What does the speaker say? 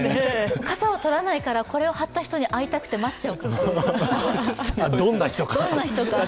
傘はとらないけど、これを貼った人に会いたくて待っちゃうかも。